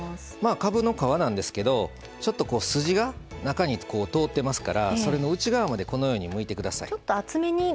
かぶの皮なんですけど筋が中に通ってますからそれの内側までむいてください。